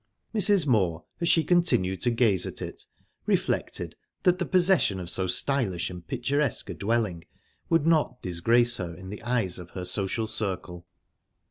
Mrs. Moor, as she continued to gaze at it, reflected that the possession of so stylish and picturesque a dwelling would not disgrace her in the eyes of her social circle.